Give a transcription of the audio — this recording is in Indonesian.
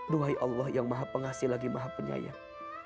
duhai allah yang maha pengasih lagi maha penyayang